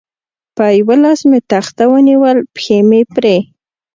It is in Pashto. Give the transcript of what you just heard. په یوه لاس مې تخته ونیول، پښې مې پرې.